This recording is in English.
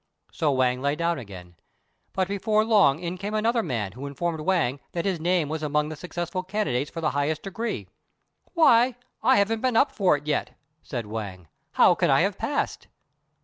So Wang lay down again, but before long in came another man who informed Wang that his name was among the successful candidates for the highest degree. "Why, I haven't been up for it yet;" said Wang, "how can I have passed?"